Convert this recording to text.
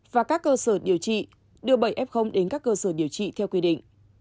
và các cơ sở điều trị đưa bảy f đến các cơ sở điều trị theo quy định